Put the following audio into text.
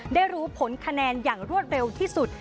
ได้รู้ผลคะแนนอย่างรวดเร็วที่สุด